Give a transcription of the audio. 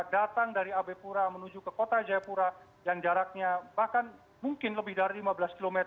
datang dari abe pura menuju ke kota jayapura yang jaraknya bahkan mungkin lebih dari lima belas km